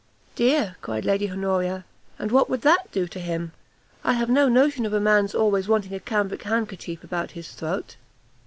"Dear," cried Lady Honoria, "and what would that do to him? I have no notion of a man's always wanting a cambric handkerchief about his throat."